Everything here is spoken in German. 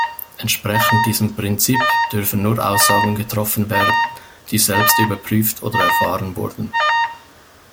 Entsprechend diesem Prinzip dürfen nur Aussagen getroffen werden, die selbst überprüft oder erfahren wurden.